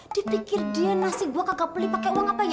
dipikir dia nasi gue kagak beli pakai uang apa ya